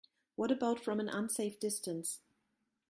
What about from an unsafe distance?